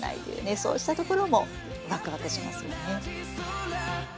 そうしたところもワクワクしますよね。